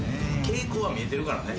傾向は見えてるからね。